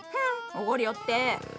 おごりよって。